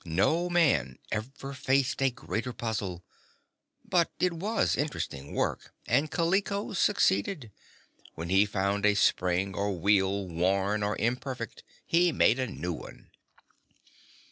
No man ever faced a greater puzzle; but it was interesting work and Kaliko succeeded. When he found a spring or wheel worn or imperfect, he made a new one.